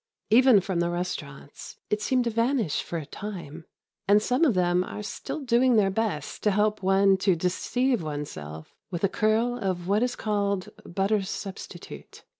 Even from the restaurants it seemed to vanish for a time, and some of them are still doing their best to help one to deceive oneself with a curl of what is called butter substitute.